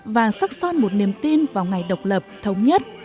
và sắc son một niềm tin vào ngày độc lập thống nhất